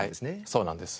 そうなんです。